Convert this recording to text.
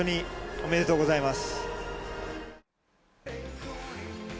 おめでとうございます。